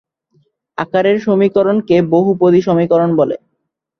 আকারের সমীকরণকে বহুপদী সমীকরণ বলে।